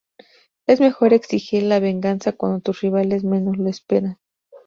Es mejor exigir la venganza cuando tus rivales menos lo esperan.